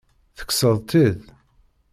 Tekkseḍ-tt-id?